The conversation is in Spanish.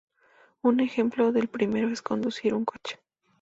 Un ejemplo del primero es conducir un coche.